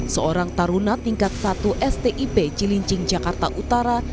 seorang taruna tingkat satu stip cilincing jakarta utara